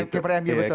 keeper mu betul